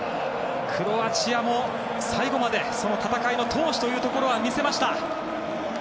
クロアチアも最後までその戦いの闘志というところは見せました。